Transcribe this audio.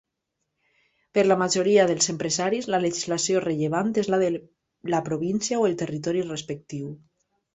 Per la majoria dels empresaris, la legislació rellevant és la de la província o el territori respectiu.